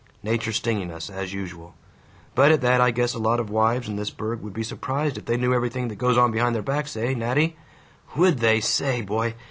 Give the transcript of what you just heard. Nature stinging us, as usual. But at that, I guess a lot of wives in this burg would be surprised if they knew everything that goes on behind their backs, eh, Nattie?" "WOULD they! Say, boy!